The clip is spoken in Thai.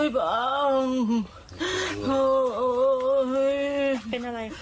ที่เห็นอะไรคะ